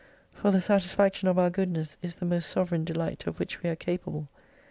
For the satisfaction of our goodness is the most sovereign delight of which we are capable.